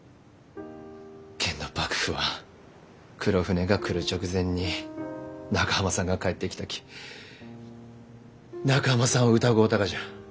けんど幕府は黒船が来る直前に中濱さんが帰ってきたき中濱さんを疑うたがじゃ。